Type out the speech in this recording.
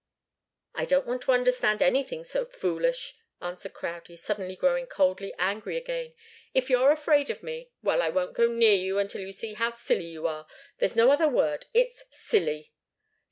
"I don't want to understand anything so foolish," answered Crowdie, suddenly growing coldly angry again. "If you're afraid of me well, I won't go near you until you see how silly you are. There's no other word it's silly."